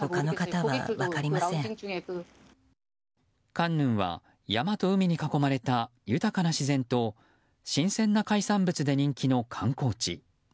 カンヌンは川と海に囲まれた豊かな自然と新鮮な海産物で人気の観光地。